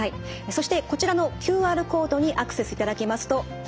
そしてこちらのＱＲコードにアクセスいただきますとホームページ